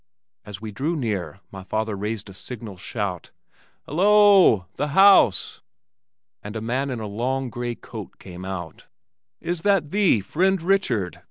As we drew near my father raised a signal shout, "Hallo o o the House!" and a man in a long gray coat came out. "Is that thee, friend Richard?"